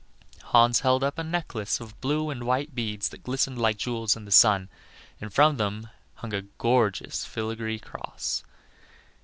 Hans held up a necklace of blue and white beads that glistened like jewels in the sun, and from them hung a gorgeous filigree cross.